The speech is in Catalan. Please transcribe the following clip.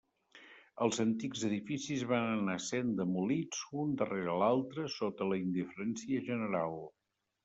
Els antics edificis van anar sent demolits un darrere l'altre sota la indiferència general.